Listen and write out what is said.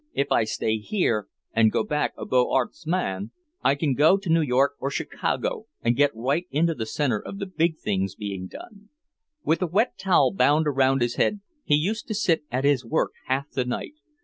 If I stay here and go back a Beaux Arts man, I can go to New York or Chicago and get right into the center of the big things being done." With a wet towel bound around his head he used to sit at his work half the night.